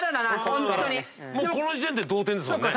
もうこの時点で同点ですもんね。